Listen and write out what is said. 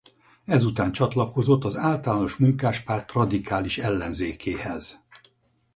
Ezután csatlakozott az Általános Munkáspárt radikális ellenzékéhez.